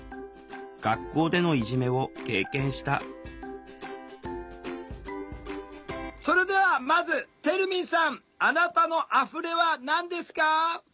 学校でのいじめを経験したそれではまずてるみんさんあなたの「あふれ」は何ですか？